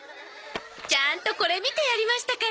ちゃんとこれ見てやりましたから！